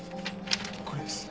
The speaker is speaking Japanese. これです。